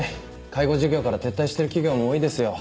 介護事業から撤退してる企業も多いですよ。